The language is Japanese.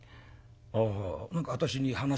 「ああ何か私に話が？はあ。